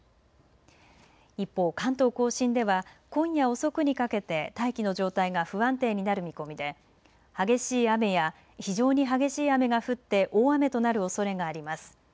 一方、関東甲信では今夜遅くにかけて大気の状態が不安定になる見込みで激しい雨や非常に激しい雨が降って大雨となるおそれがあります。